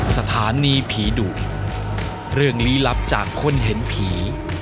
สถานีผีดุเรื่องลี้ลับจากคนเห็นผี